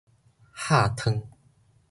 曬燙